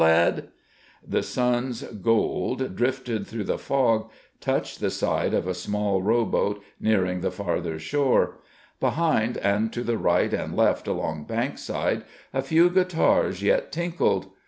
_ Eh, lad?" The sun's gold, drifted through the fog, touched the side of a small row boat nearing the farther shore. Behind, and to right and left along Bankside, a few guitars yet tinkled.